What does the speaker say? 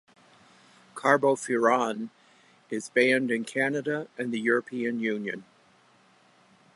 Carbofuran is banned in Canada and the European Union.